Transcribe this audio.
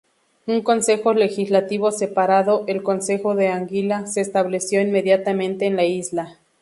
Un consejo legislativo separado, el Consejo de Anguila, se estableció inmediatamente en la isla.